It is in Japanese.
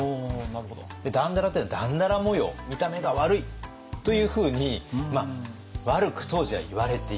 「だんだら」というのはだんだら模様見た目が悪いというふうにまあ悪く当時はいわれていた。